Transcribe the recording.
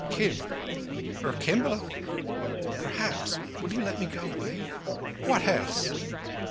"Kim." "Or Kimball?" "Perhaps. Will you let me go away?" "What else?"